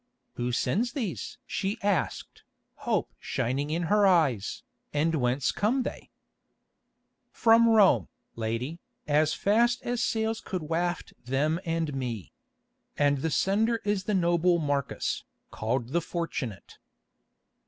"Who sends these?" she asked, hope shining in her eyes, "and whence come they?" "From Rome, lady, as fast as sails could waft them and me. And the sender is the noble Marcus, called the Fortunate."